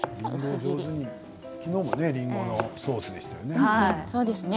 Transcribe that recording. きのうもりんごのソースでしたね。